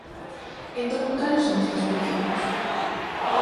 Entón, cales son estes principios?